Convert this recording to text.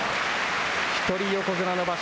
一人横綱の場所。